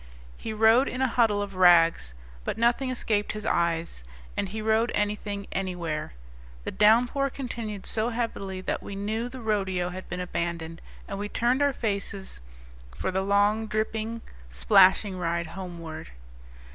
He rode in a huddle of rags; but nothing escaped his eyes, and he rode anything anywhere. The downpour continued so heavily that we knew the rodeo had been abandoned, and we turned our faces for the long, dripping, splashing ride homeward.